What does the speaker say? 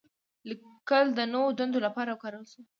لیکل د نوو دندو لپاره وکارول شول.